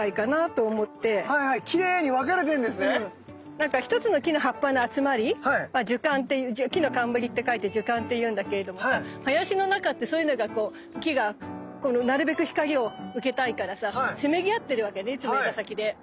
なんか一つの木の葉っぱの集まりは樹冠って樹の冠って書いて樹冠って言うんだけれどもさ林の中ってそういうのがこう木がなるべく光を受けたいからさせめぎ合ってるわけねいつも枝先で。